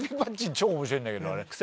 超面白いんだけど癖？